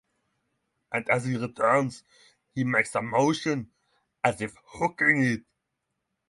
As he returns, he makes a motion as if hooking it.